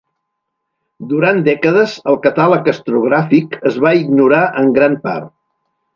Durant dècades el Catàleg Astrogràfic es va ignorar en gran part.